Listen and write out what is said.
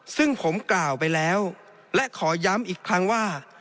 ซึ่งผมกล่าวไปแล้วและขอย้ำอีกครั้งว่า